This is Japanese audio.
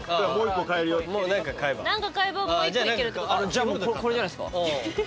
じゃあこれじゃないっすか？